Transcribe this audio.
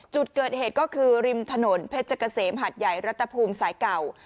จุดเกิดเหตุก็คือริมถนนเพชรเกษมหาดใหญ่รัฐภูมิสายเก่า